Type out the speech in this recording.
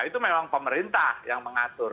itu memang pemerintah yang mengatur